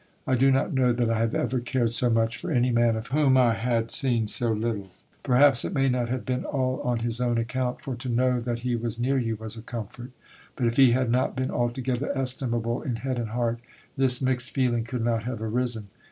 I do not know that I have ever cared so much for any man of whom I had seen so little as I did for Clough. Perhaps it may not have been all on his own account, for to know that he was near you was a comfort, but if he had not been altogether estimable in head and heart this mixed feeling could not have arisen.